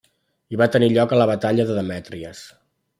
Hi va tenir lloc la Batalla de Demètries.